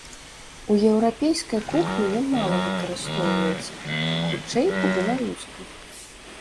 У еўрапейскай кухні ён мала выкарыстоўваецца, хутчэй, у беларускай.